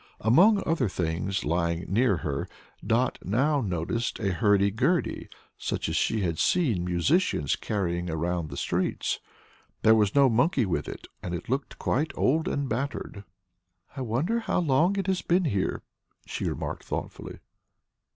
Among other things lying near her Dot now noticed a hurdy gurdy, such as she had seen musicians carrying around the streets. There was no monkey with it, and it looked quite old and battered. "I wonder how long it has been here, she remarked, thoughtfully.